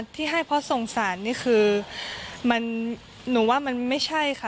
ที่ให้เพราะสงสารนี่คือหนูว่ามันไม่ใช่ค่ะ